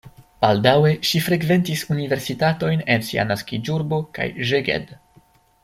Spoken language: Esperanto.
Baldaŭe ŝi frekventis universitatojn en sia naskiĝurbo kaj Szeged.